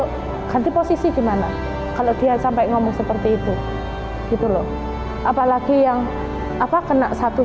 hai ganti posisi gimana kalau dia sampai ngomong seperti itu gitu loh apalagi yang apa kena satu